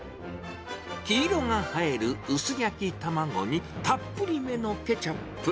黄色が映える薄焼き卵にたっぷりめのケチャップ。